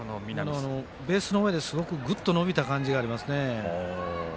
ベースの前ですごくグッと伸びた感じがありますね。